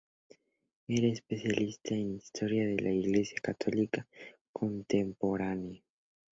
Era especialista en historia de la Iglesia Católica contemporánea.